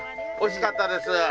おいしかったです。